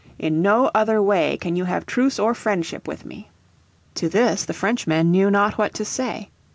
In no other way can you have truce or friendship with me." To this the Frenchmen knew not what to say.